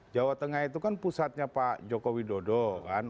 jawa tengah itu kan pusatnya pak jokowi dodo kan